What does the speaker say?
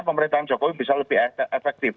itu kebetulan jokowi bisa lebih efektif